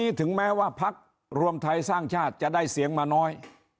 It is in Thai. อันนี้ถึงแม้ว่าภักดิ์รวมทายสร้างชาติจะได้เสียงมาน้อย